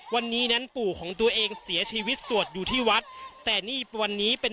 วันนี้นั้นปู่ของตัวเองเสียชีวิตสวดอยู่ที่วัดแต่นี่วันนี้เป็น